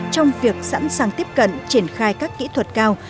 trong việc sẵn sàng tiếp cận triển khai các kỹ thuật cao